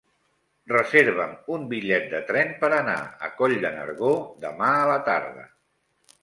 Reserva'm un bitllet de tren per anar a Coll de Nargó demà a la tarda.